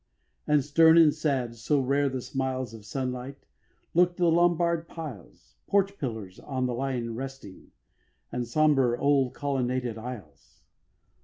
And stern and sad (so rare the smiles Of sunlight) look'd the Lombard piles; Porch pillars on the lion resting, And sombre, old, colonnaded aisles.